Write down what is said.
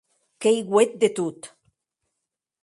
Qu’ei uet de tot.